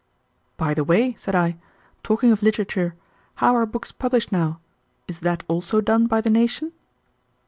"By the way," said I, "talking of literature, how are books published now? Is that also done by the nation?"